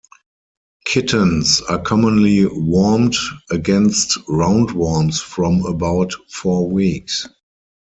Kittens are commonly wormed against roundworms from about four weeks.